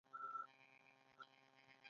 وروسته انتخابات وشول او هغه ماتې وخوړه.